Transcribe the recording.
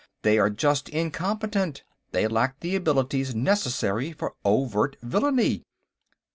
They are just incompetent; they lack the abilities necessary for overt villainy.